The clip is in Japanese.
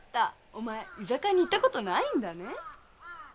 お前居酒屋に行った事ないんだね？